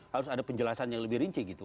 harus ada penjelasan yang lebih rinci gitu